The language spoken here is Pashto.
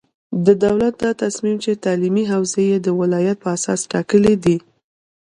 د دولت دا تصمیم چې تعلیمي حوزې یې د ولایت په اساس ټاکلې دي،